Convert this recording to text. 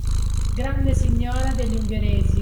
Grande Signora degli Ungheresi